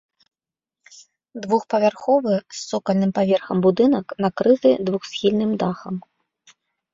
Двухпавярховы з цокальным паверхам будынак накрыты двухсхільным дахам.